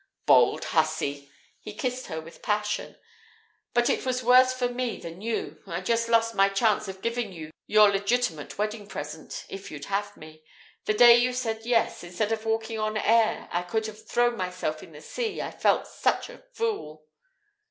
"Bold hussy!" He kissed her with passion. "But it was worse for me than you. I'd just lost my chance of giving you your legitimate wedding present if you'd have me. The day you said 'Yes', instead of walking on air I could have thrown myself in the sea, I felt such a fool."